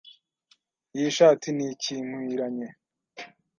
Iyi shati ntikinkwiranye.